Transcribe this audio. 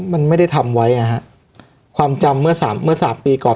มันไม่ได้ทำไว้นะฮะความจำเมื่อสามเมื่อสามปีก่อน